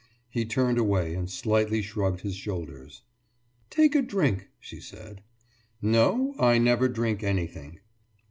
He turned away and slightly shrugged his shoulders. »Take a drink!« she said. »No, I never drink anything.